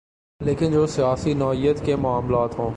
لیکن جو سیاسی نوعیت کے معاملات ہوں۔